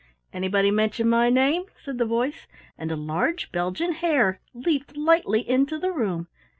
"Anybody mention my name?" said the voice, and a large Belgian Hare leaped lightly into the room.